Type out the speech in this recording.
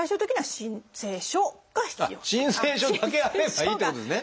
申請書だけあればいいってことですね。